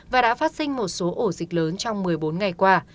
và đã phát sinh một số ổ dịch lớn trong một mươi bốn ngày qua